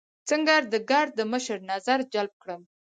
څنګه د ګارد د مشر نظر جلب کړم.